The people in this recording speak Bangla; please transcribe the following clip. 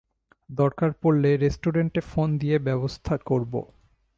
দরকার পড়লে রেস্টুরেন্টে ফোন দিয়ে ব্যবস্থা করব।